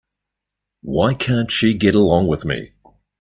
Why can't she get along with me?